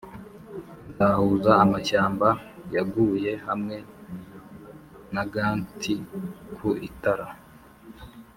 nzahuza amashyamba yaguye hamwe na gants ku itara,